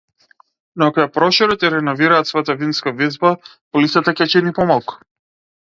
Но ако ја прошират и реновираат својата винска визба, полисата ќе чини помалку.